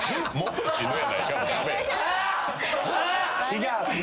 違う。